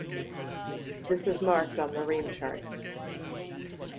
This is marked on marine charts.